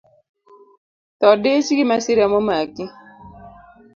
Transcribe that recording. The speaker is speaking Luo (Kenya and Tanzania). Thoo dich gi masira momaki